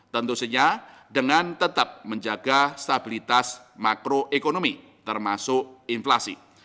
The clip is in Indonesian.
tentu saja dengan tetap menjaga stabilitas makroekonomi termasuk inflasi